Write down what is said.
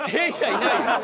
いないよ